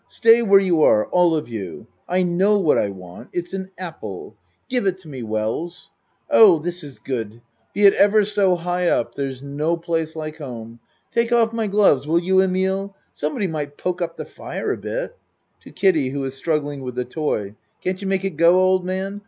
Stay where you are all of you. I know what I want. It's an apple. Give it to me, Wells. Oh This is good! Be it ever so high up, there's no place like home. Take off my gloves, will you, Emile? Somebody might poke up the fire a bit. (To Kiddie who is struggling with the toy.) Can't you make it go, old man?